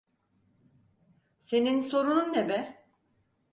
Senin sorunun ne be?